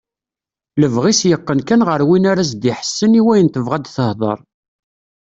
Lebɣi-s yeqqen kan ɣer win ara as-d-iḥessen i wayen tebɣa ad tehder.